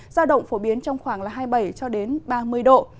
giao động phổ biến trong khoảng hai mươi bảy ba mươi độ